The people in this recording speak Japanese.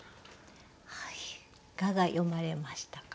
いかが読まれましたか？